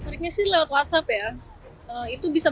seriknya sih lewat whatsapp ya itu bisa berhasil